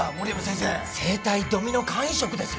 生体ドミノ肝移植ですよ？